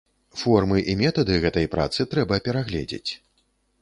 Формы і метады гэтай працы трэба перагледзець.